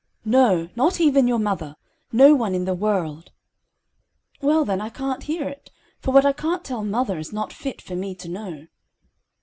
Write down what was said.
"No, not even your mother, no one in the world." "Well, then I can't hear it; for what I can't tell mother, is not fit for me to know."